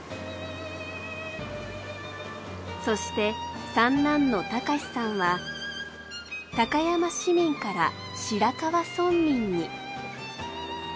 そして三男の隆さんは高山市民から白川村民に。